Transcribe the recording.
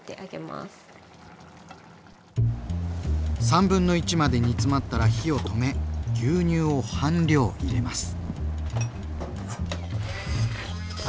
スープの素を加えて1/3まで煮詰まったら火を止め牛乳を半量入れます。